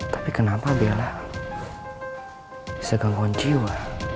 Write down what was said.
tapi kenapa dialah bisa gangguan jiwa